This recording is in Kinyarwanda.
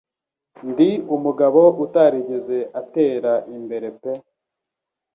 Ndi umugabo utarigeze atera imbere pe